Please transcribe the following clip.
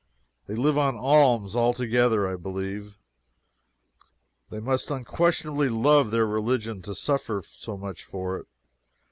They live on alms altogether, I believe. They must unquestionably love their religion, to suffer so much for it.